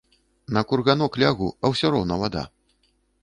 На курганок лягу, а ўсё роўна вада.